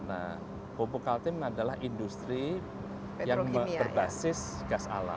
nah pupuk kaltim adalah industri yang berbasis gas alam